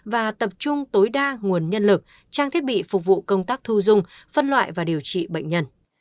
và tập trung tối đa nguồn nhân lực trang thiết bị phục vụ công tác thu dung phân loại và điều trị bệnh nhân